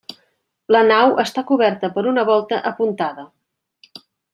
La nau està coberta per una volta apuntada.